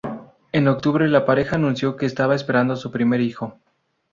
En octubre la pareja anunció que estaban esperando su primer hijo.